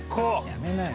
やめなよ